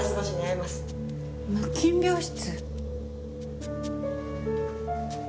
無菌病室。